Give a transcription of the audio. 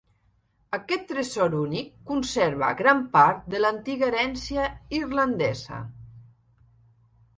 Aquest tresor únic conserva gran part de l'antiga herència irlandesa.